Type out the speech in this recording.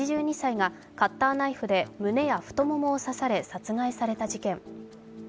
８２歳がカッターナイフで胸や太ももを刺され殺害された事件。